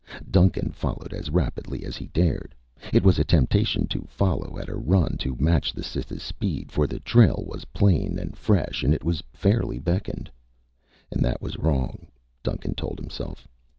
Duncan followed as rapidly as he dared. It was a temptation to follow at a run, to match the Cytha's speed, for the trail was plain and fresh and it fairly beckoned. And that was wrong, Duncan told himself.